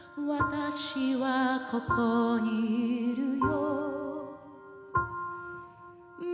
「私はここにいるよ」